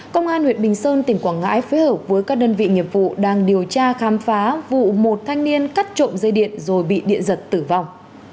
công an huyện bình sơn tỉnh quảng ngãi phối hợp với các đơn vị nghiệp vụ đang điều tra khám phá vụ một thanh niên cắt trộm dây điện rồi bị điện giật tử vong